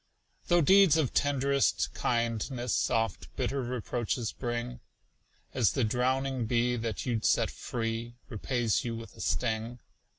Though deeds of tend'rest kindness Oft bitter reproaches bring, As the drowning bee that you'd set free Repays you with a sting.